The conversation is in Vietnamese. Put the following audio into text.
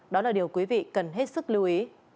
đó là điều quý vị cần hết sức lưu ý